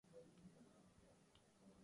ان دنوں میں بھی ہوں روانی میں